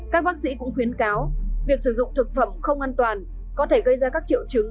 các bác sĩ cũng khuyến cáo việc sử dụng thực phẩm không an toàn có thể gây ra các triệu chứng